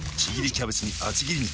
キャベツに厚切り肉。